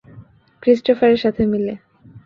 Christopher এর সাথে মিলে।